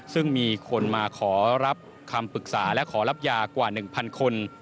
ซึ่งมีคนมาขอรับคำปรึกษาและขอรับยากว่า๑๐๐คน